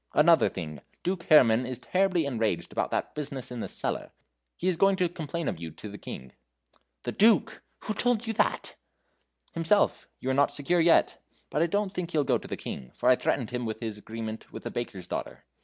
"Another thing. Duke Herrman is terribly enraged about that business in the cellar. He is going to complain of you to the King." "The Duke! Who told you about that?" "Himself. You are not secure yet but I don't think he'll go to the King, for I threatened him with his agreement with the baker's daughter.